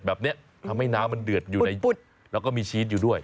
แบบนี้ทำให้น้ำมันเดือดอยู่ในบุตรแล้วก็มีชีสอยู่ด้วย